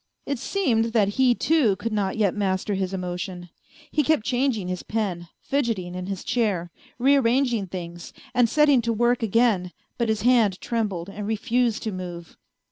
It seemed that he, too, could not yet master his emotion; he kept changing his pen, fidgeting in his chair, re arranging things, and setting to work again, but his hand trembled and refused to move.